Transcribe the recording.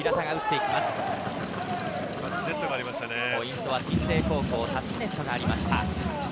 ポイントは鎮西高校タッチネットがありました。